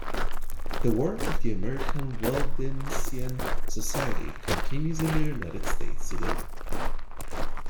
The work of the American Waldensian Society continues in the United States today.